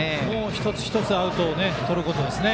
一つ一つアウトをとることですね。